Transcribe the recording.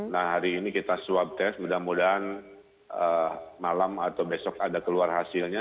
nah hari ini kita swab test mudah mudahan malam atau besok ada keluar hasilnya